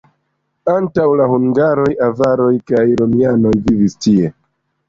Antaŭ la hungaroj avaroj kaj romianoj vivis tie.